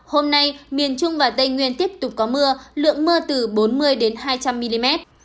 hôm nay miền trung và tây nguyên tiếp tục có mưa lượng mưa từ bốn mươi hai trăm linh mm